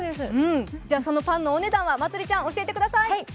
じゃあそのお値段は、まつりちゃん教えてください。